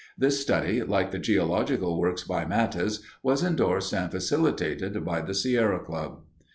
This study, like the geological work by Matthes, was endorsed and facilitated by the Sierra Club.